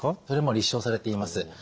それも立証されています。